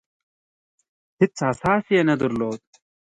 هېڅ اساس یې نه درلود.